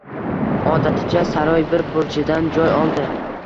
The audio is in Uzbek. Odaticha, saroy bir burchidan joy oldi.